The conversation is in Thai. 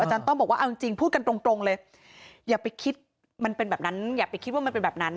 ต้อมบอกว่าเอาจริงพูดกันตรงเลยอย่าไปคิดมันเป็นแบบนั้นอย่าไปคิดว่ามันเป็นแบบนั้น